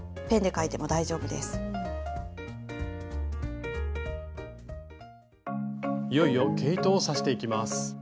いよいよ毛糸を刺していきます。